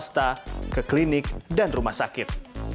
swasta ke klinik dan rumah sakit